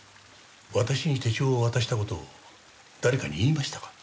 私に手帳を渡した事を誰かに言いましたか？